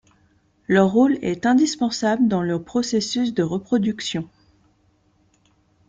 Leur rôle est indispensable dans le processus de reproduction.